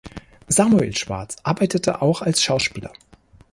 Samuel Schwarz arbeitet auch als Schauspieler.